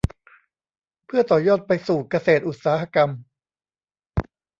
เพื่อต่อยอดไปสู่เกษตรอุตสาหกรรม